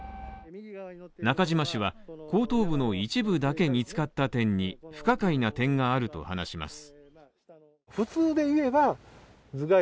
中島氏は後頭部の一部だけ見つかった点に不可解な点があると話します。